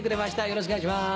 よろしくお願いします。